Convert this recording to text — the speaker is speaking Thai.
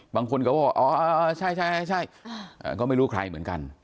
บางคนก็บอกอ๋อใช่ก็ไม่รู้ใครเหมือนกัน